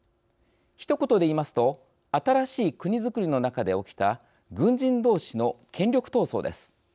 ひと言で言いますと新しい国づくりの中で起きた軍人同士の権力闘争です。